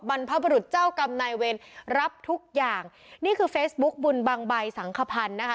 บรรพบรุษเจ้ากรรมนายเวรรับทุกอย่างนี่คือเฟซบุ๊คบุญบางใบสังขพันธ์นะคะ